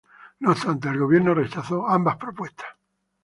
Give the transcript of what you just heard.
No obstante, el Gobierno rechazó ambas propuestas.